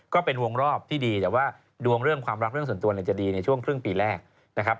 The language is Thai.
ก็เป็นวงรอบที่ดีแต่ว่าดวงเรื่องความรักเรื่องส่วนตัวจะดีในช่วงครึ่งปีแรกนะครับ